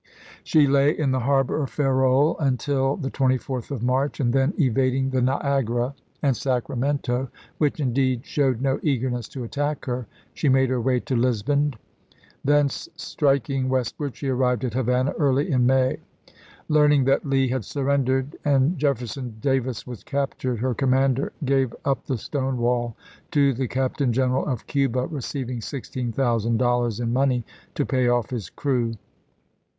She lay in the harbor of Ferrol until the lees. 24th of March, and then, evading the Niagara and THE LAST DAYS OF THE REBEL NAVY 137 Sacramento j which indeed showed no eagerness to chap. vi. attack her, she made her way to Lisbon; thence striking westward she arrived at Havana early in May. Learning that Lee had surrendered and Jef i865. ferson Davis was captured, her commander gave up the Stoneivall to the Captain General of Cuba, receiving sixteen thousand dollars in money to pay oft his crew.